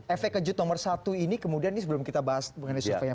efek kejut nomor satu ini kemudian ini sebelum kita bahas mengenai surveinya